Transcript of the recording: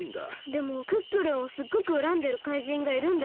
でもクックルンをすっごくうらんでる怪人がいるんだよね？